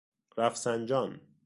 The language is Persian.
رفسنجان